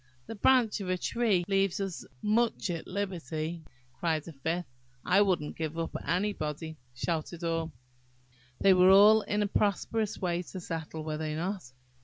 "The branch of a tree leaves us most at liberty," cried a fifth. "I won't give up to anybody," shouted all. They were in a prosperous way to settle, were they not?